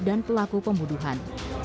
dan pelaku pembunuhan